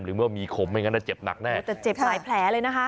เมื่อมีขมไม่งั้นอ่ะเจ็บหนักแน่แต่เจ็บหลายแผลเลยนะคะ